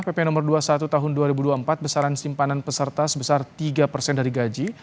pp no dua puluh satu tahun dua ribu dua puluh empat besaran simpanan peserta sebesar tiga persen dari gaji